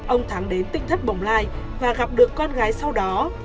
ông thắng đến tỉnh thất bồng lai và gặp được con gái sau đó